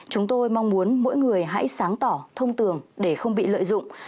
chúng tôi mong muốn mỗi người hãy sáng tỏ thông tường để không bị lợi dụng